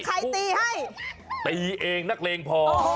ตีให้ตีเองนักเลงพอ